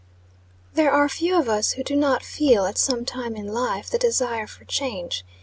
THERE are few of us who do not feel, at some time in life, the desire for change.